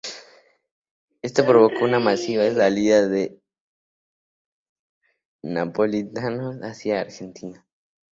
Esto provocó una masiva salida de napolitanos hacia Argentina.